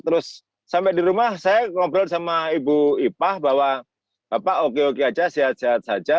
terus sampai di rumah saya ngobrol sama ibu ipah bahwa bapak oke oke aja sehat sehat saja